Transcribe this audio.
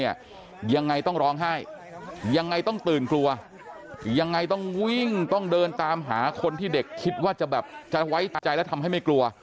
ยังไงต้องร้องไห้ยังไงต้องตื่นกลัวยังไงต้องวิ่งต้องเดินตามหาคนที่เด็กคิดว่าจะแบบจะไว้ใจแล้วทำให้ไม่กลัว